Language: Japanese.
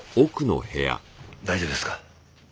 大丈夫ですか？